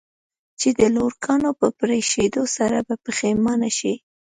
چې د لوکارنو په پرېښودو سره به پښېمانه شې.